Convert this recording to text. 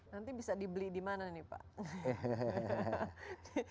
nanti bisa dibeli di mana nih pak